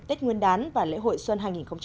tết nguyên đán và lễ hội xuân hai nghìn một mươi tám